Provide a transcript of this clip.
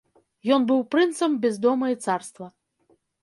Ён быў прынцам без дома і царства.